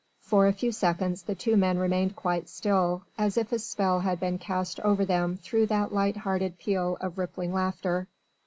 For a few seconds the two men remained quite still, as if a spell had been cast over them through that light hearted peal of rippling laughter.